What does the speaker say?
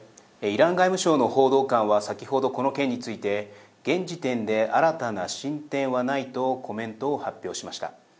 イラン外務省の報道官は先ほど、この件について現時点で新たな進展はないとコメントを発表しました。